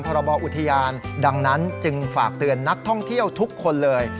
พบอุทยานดังนั้นจึงฝากเตือนนักท่องเที่ยวทุกคนเลย